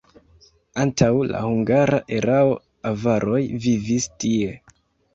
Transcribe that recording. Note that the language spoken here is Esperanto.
Antaŭ la hungara erao avaroj vivis tie.